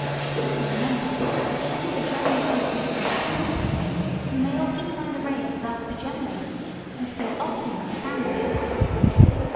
For, remember, even with a general decrease of mortality you may often find a race thus degenerating and still oftener a family.